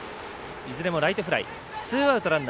いずれもライトフライ。